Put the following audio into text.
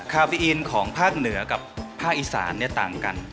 คาบีอินของภาคเหนือกับภาคอีสานต่างกัน